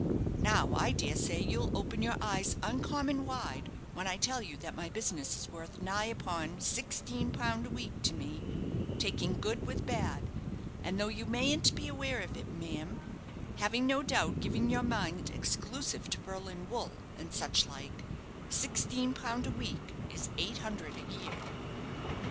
Now, I dare say you'll open your eyes uncommon wide when I tell you that my business is worth nigh upon sixteen pound a week to me, taking good with bad; and though you mayn't be aware of it, ma'am, having, no doubt, given your mind exclusive to Berlin wool, and such like, sixteen pound a week is eight hundred a year."